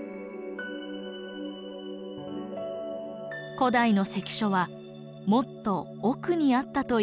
古代の関所はもっと奥にあったといいます。